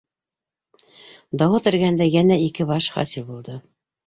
Дауыт эргәһендә йәнә ике баш хасил булды.